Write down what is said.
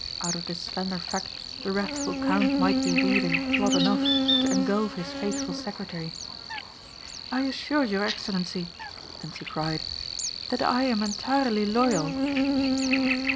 Out of this slender fact the wrathful count might be weaving plot enough to engulf his faithful secretary. "I assure your Excellency," Hentzi cried, "that I am entirely loyal."